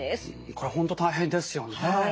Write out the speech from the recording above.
これ本当大変ですよね。